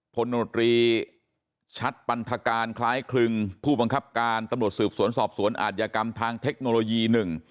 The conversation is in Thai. พลโนตรีชัดปันธการคล้ายคลึงผู้บังคับการตำรวจสืบสวนสอบสวนอาจยากรรมทางเทคโนโลยีหนึ่ง